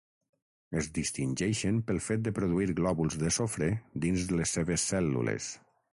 Es distingeixen pel fet de produir glòbuls de sofre dins les seves cèl·lules.